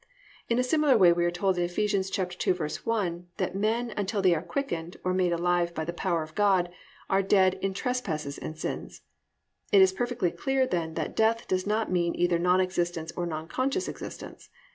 In a similar way we are told in Eph. 2:1, that men until they are quickened, or made alive, by the power of God are "Dead in trespasses and sins." It is perfectly clear then that death does not mean either non existence, or non conscious existence.